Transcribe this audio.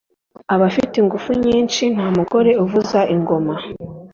aba afite ingufu nyinshi, nta mugore uvuza ingoma.